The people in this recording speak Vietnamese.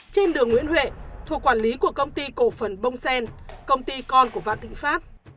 trên đường nguyễn huệ thuộc quản lý của công ty cổ phần bông sen công ty con của vạn thịnh pháp